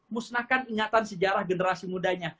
musnahkan ingatan sejarah generasi mudanya